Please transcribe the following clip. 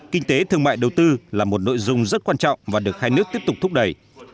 kinh tế thương mại đầu tư là một nội dung rất quan trọng và được hai nước tiếp tục thúc đẩy